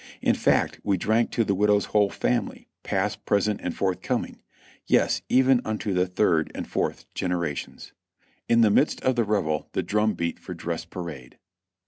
In fact, we drank to the widow's whole family, past, present and forthcoming, yes, even unto the third and fourth generations. In the midst of the revel the drum beat for dress parade.